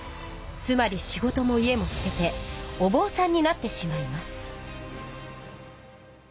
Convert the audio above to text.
つまりしごとも家もすててお坊さんになってしまいます。